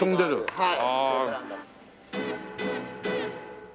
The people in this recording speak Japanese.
はい。